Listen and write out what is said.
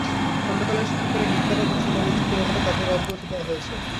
খণ্ডকালীন শিক্ষকেরা বিদ্যালয়ে কোচিং বাণিজ্য করে বলে তাঁদের অব্যাহতি দেওয়া হয়েছে।